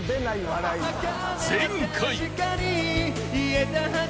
［前回］